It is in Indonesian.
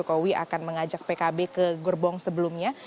jokowi akan mengajak pkb ke gerbong sebelumnya